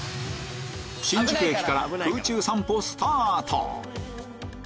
新宿駅から空中散歩スタート！